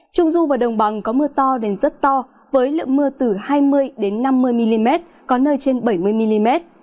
trung du và đồng bằng có mưa to đến rất to với lượng mưa từ hai mươi năm mươi mm có nơi trên bảy mươi mm